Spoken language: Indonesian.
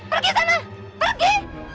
pergi sana pergi